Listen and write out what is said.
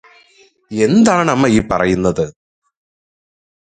എന്താണ് അമ്മ ഈ പറയ്യുന്നത്